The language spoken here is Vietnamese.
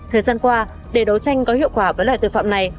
thời gian qua để đấu tranh có hiệu quả với loại tội phạm này